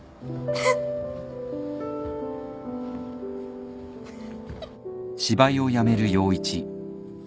フフフ。